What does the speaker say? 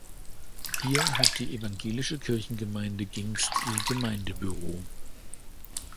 Hier hat die evangelische Kirchengemeinde Gingst ihr Gemeindebüro.